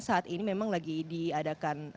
saat ini memang lagi diadakan